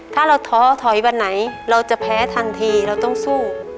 ถ้าเราท้อถอยวันไหนเราจะแพ้ทันทีเราต้องสู้